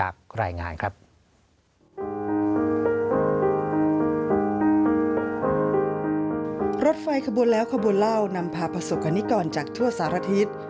ขบวนแล้วขบวนเหล้านำพาพระศกนิกรจากทั่วสารทิศ